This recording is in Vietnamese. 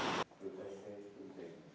tác động đến môi trường